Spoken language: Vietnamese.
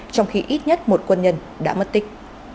trong khi ít nhất một quân nhân đã mất tích